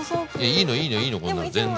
いいのいいのいいのこんなの全然。